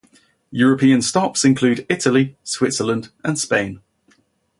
European stops include Italy, Switzerland and Spain.